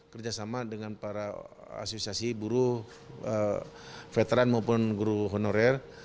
kerjasama dengan para asosiasi buruh veteran maupun guru honorir